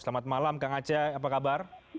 selamat malam kang aceh apa kabar